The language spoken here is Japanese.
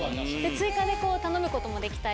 追加で頼むこともできたり。